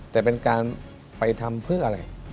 แต่เป็นการไปทำเพื่ออะไร